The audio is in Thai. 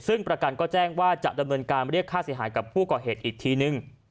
ซึ่งประกันก็แจ้งว่าจะดำเนินการเรียกค่าเสียหายกับผู้ก่อเหตุอีกทีนึง